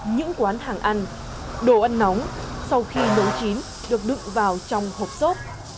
những quán hàng ăn đồ ăn nóng sau khi nấu chín được đựng vào trong hộp xốp